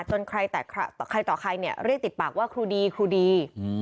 ใครต่อใครเนี่ยเรียกติดปากว่าครูดีครูดี